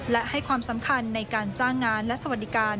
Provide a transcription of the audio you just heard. และให้ความสำคัญในการจ้างงานและสวัสดิการ